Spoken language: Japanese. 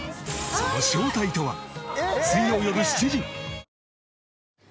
その正体とは？